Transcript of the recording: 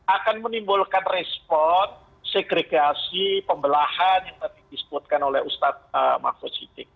akan menimbulkan respon segregasi pembelahan yang tadi disebutkan oleh ustadz mahfud siddiq